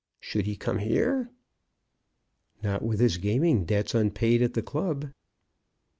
Should he come here?" "Not with his gambling debts unpaid at the club."